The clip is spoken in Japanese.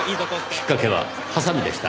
きっかけはハサミでした。